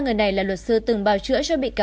ba người này là luật sư từng bào chữa cho bị can